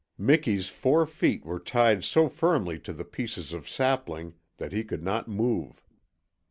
Miki's four feet were tied so firmly to the pieces of sapling that he could not move.